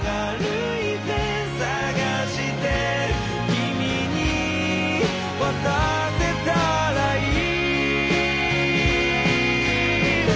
「君に渡せたらいい」